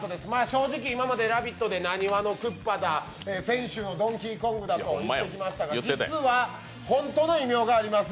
正直今まで「ラヴィット！」でなにわのクッパだとか泉州のドンキーコングだと言ってきましたが、実は本当の異名があります。